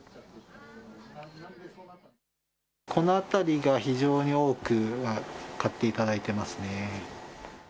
このあたりが非常に多く買っていただいていますね。